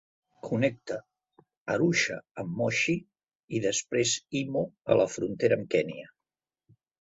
Connecta Arusha amb Moshi i després Himo a la frontera amb Kenya.